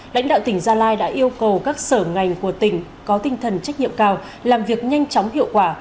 lãnh đạo tỉnh gia lai đã yêu cầu các sở ngành của tỉnh có tinh thần trách nhiệm cao làm việc nhanh chóng hiệu quả